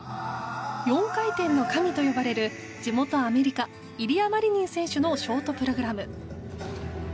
４回転の神と呼ばれる地元アメリカイリア・マリニン選手のショートプログラム。